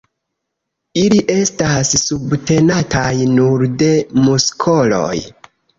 Ili estas subtenataj nur de muskoloj.